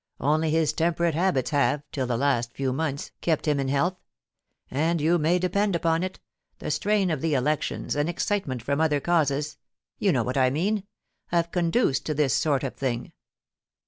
Only his temperate habits have, till the last few months, kept him in health ; and you may depend upon it, the strain of the elections, and excitement from other causes — ^m know what I mean — have conduced to this sort of thing.